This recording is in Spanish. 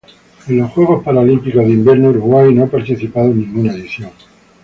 En los Juegos Paralímpicos de Invierno Uruguay no ha participado en ninguna edición.